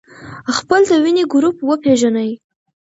خپل د وینې ګروپ وپېژنئ.